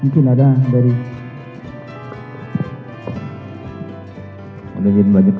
tidak ada ya